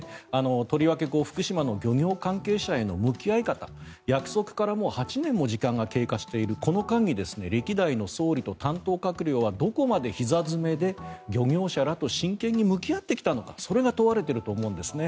とりわけ、福島の漁業関係者への向き合い方約束からもう８年も時間が経過しているこの間に歴代の総理と担当閣僚はどこまでひざ詰めで漁業者らと真剣に向き合ってきたのかそれが問われていると思うんですね。